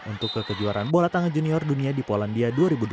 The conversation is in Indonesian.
untuk kekejuaran bola tangan junior dunia di polandia dua ribu delapan belas